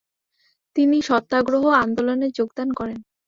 তিনি সত্যাগ্রহ আন্দোলনে যোগদান করেন।